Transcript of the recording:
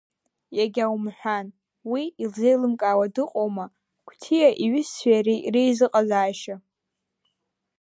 Иагьа умҳәан, уи илзеилымкаауа дыҟоума Қәҭиа иҩызцәеи иареи реизыҟазаашьа?